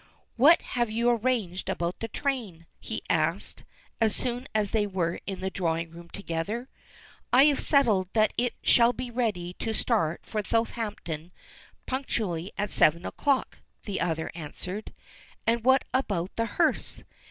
"What have you arranged about the train?" he asked, as soon as they were in the drawing room together. "I have settled that it shall be ready to start for Southampton punctually at seven o'clock," the other answered. "And what about the hearse?"